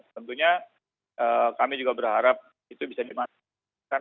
tentunya kami juga berharap itu bisa dimanfaatkan